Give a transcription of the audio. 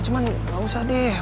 cuma gak usah deh